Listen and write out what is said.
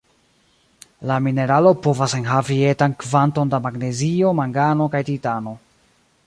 La mineralo povas enhavi etan kvanton da magnezio, mangano kaj titano.